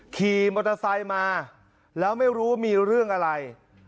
ขี่มอเตอร์ไซค์มาแล้วไม่รู้ว่ามีเรื่องอะไร